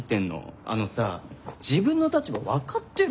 あのさ自分の立場分かってる？